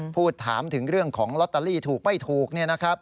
พูดถามถึงเรื่องของลอตเตอรี่ถูกไม่ถูกเนี่ยนะครับ